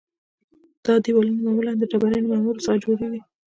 دا دیوالونه معمولاً د ډبرینو معمورو څخه جوړیږي